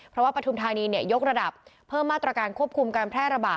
เพราะว่าปฐุมธานียกระดับเพิ่มมาตรการควบคุมการแพร่ระบาด